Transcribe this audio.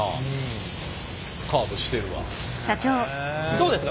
どうですか？